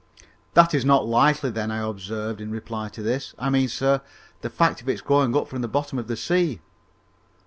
"That is not likely, then," I observed in reply to this "I mean, sir, the fact of its growing up from the bottom of the sea."